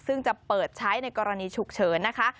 ซึ่งจะเปิดใช้ในกรณีฉุกเฉินนะคะ